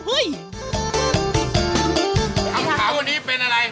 คำถามวันนี้เป็นอะไร